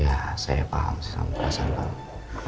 ya saya paham sih sama perasaan pak amar